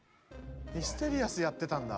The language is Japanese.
ミステリアスやってたんだ。